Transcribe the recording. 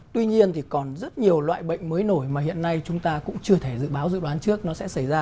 tuy nhiên thì còn rất nhiều loại bệnh mới nổi mà hiện nay chúng ta cũng chưa thể dự báo dự đoán trước nó sẽ xảy ra